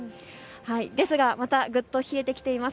ですが、またぐっと冷えてきています。